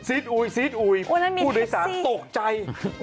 ซีธอุ่ยพูดด้วยสามสกใจ